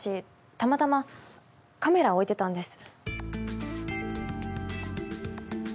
たまたまカメラを置いてたんです。